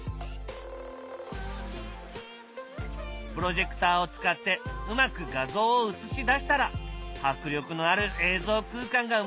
プロジェクターを使ってうまく画像を映し出したら迫力のある映像空間が生まれるんだ。